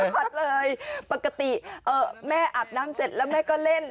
วันนี้พูดชัดเลยปกติเออแม่อาบน้ำเสร็จแล้วแม่ก็เล่น